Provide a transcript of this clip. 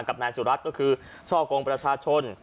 กับนายสุรัตน์ก็คือช่อกงประชาชน